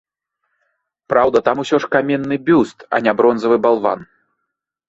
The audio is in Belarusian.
Праўда, там усё ж каменны бюст, а не бронзавы балван.